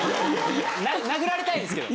殴られたいですけど。